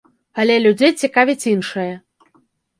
Але людзей цікавіць іншае.